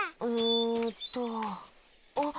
んっとあっ。